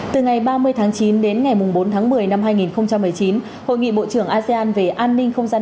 từ ngày ba mươi tháng chín đến ngày bốn tháng một mươi năm hai nghìn một mươi chín hội nghị bộ trưởng asean về an ninh không gian